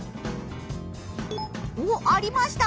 おっありました！